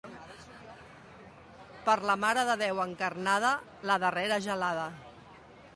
Per la Mare de Déu Encarnada, la darrera gelada.